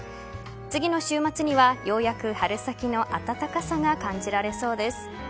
次の週末にはようやく春先の暖かさが感じられそうです。